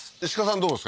どうですか？